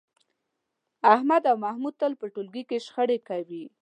احمد او محمود تل په ټولگي کې شخړې کوي